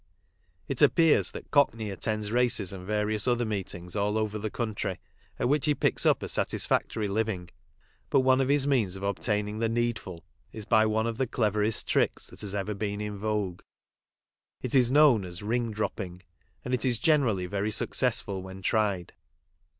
It appears that Cockney attends races and various other meetings all over the country, at which he picks up a satisfactory living, but one of his means of obtaining the « needful* is by one of the cleverest tricks that has ever been in vogue. It is known as " ring dropping," and is generally very successful when tried.